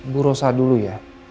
bu rosa dulu ya